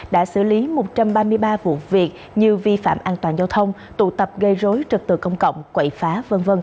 đã xử lý một trăm ba mươi ba vụ việc như vi phạm an toàn giao thông tụ tập gây rối trật tự công cộng quậy phá v v